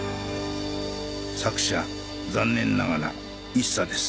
作者残念ながら一茶です